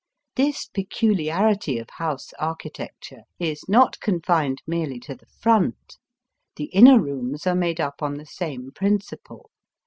This peculiarity of house architecture is not confined merely to the front. The inner rooms are made up on the same principle.